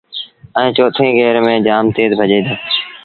ائيٚݩ چوٿيٚن گير ميݩ جآم تيز ڀڄي دو۔